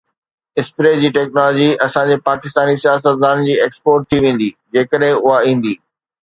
spray جي technology اسان جي پاڪستاني سياستدانن جي ايڪسپورٽ ٿي ويندي جيڪڏهن اها ايندي